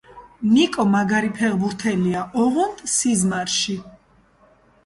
ნიკო მაგარი ფეხბურთელია ოღონდ სიზმარში